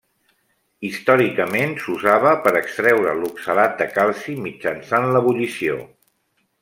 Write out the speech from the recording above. Històricament s'usava per extreure l'oxalat de calci, mitjançant l'ebullició.